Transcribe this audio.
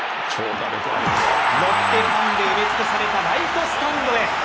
ロッテファンで埋め尽くされたライトスタンドへ。